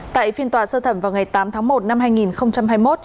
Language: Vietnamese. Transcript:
tại phiên tòa sơ thẩm vào ngày tám tháng một năm hai nghìn hai mươi một